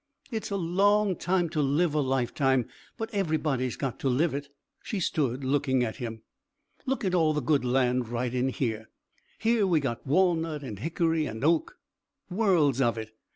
"It's a long time to live a life time, but everybody's got to live it." She stood, looking at him. "Look at all the good land right in here! Here we got walnut and hickory and oak worlds of it.